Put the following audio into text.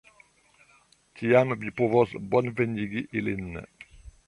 Tiam vi povos bonvenigi ilin.